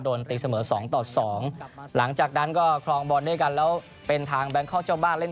ตีเสมอสองต่อสองหลังจากนั้นก็คลองบอลด้วยกันแล้วเป็นทางแบงคอกเจ้าบ้านเล่น